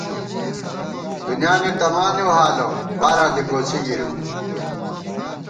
دُنیانی تمانېؤ حالہ ، فاراں دی کوڅی گِرِیؤ